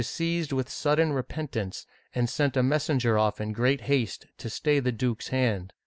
seized with sudden repentance, and sent a messenger off in great haste to st^y the duke's hand.